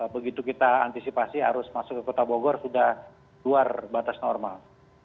begitu kita antisipasi arus masuk ke kota bogor sudah luar batas normal